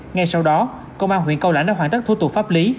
ngay sau đó công an huyện cao lãnh đã hoàn tất thủ tục pháp lý